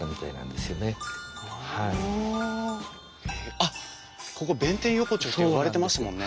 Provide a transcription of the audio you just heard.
あっここ弁天横丁って呼ばれてますもんね。